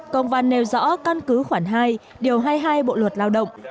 công văn nêu rõ căn cứ khoảng hai điều hai mươi hai bộ luật lao động